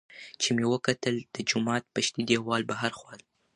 چې مې وکتل د جومات پشتۍ دېوال بهر خوا ته